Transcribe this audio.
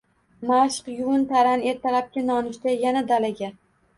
Mashq, yuvin-taran, ertalabki nonushta. Yana dalaga.